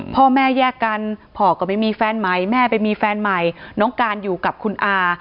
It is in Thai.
พ่อแม่แยกกันพ่อก็ไม่มีแฟนใหม่แม่ไปมีแฟนใหม่น้องการอยู่กับคุณอา